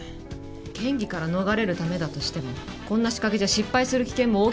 嫌疑から逃れるためだとしてもこんな仕掛けじゃ失敗する危険も大きかったはず。